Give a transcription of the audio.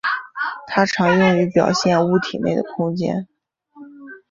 它常用于表现物体内的空间。